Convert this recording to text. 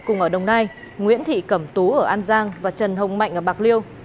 nguyễn thị cẩm tú ở an giang và trần hồng mạnh ở bạc liêu